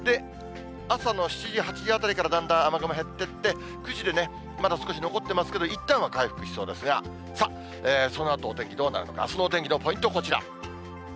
朝の７時、８時あたりからだんだん雨雲減っていって、９時でまだ少し残ってますけれども、いったんは回復しますが、そのあと、お天気どうなるのか、あすのお天気のポイント、こちら。